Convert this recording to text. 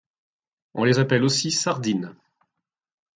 On les appelle aussi sardines.